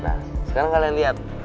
nah sekarang kalian lihat